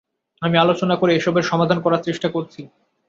আমি আলোচনা করে এসবের সমাধান করার চেষ্টা করছি।